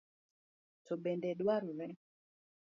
To bende dwarore